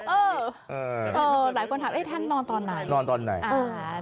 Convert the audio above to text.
เออเออหลายคนถามเอ๊ะท่านนอนตอนไหนนอนตอนไหนอ่า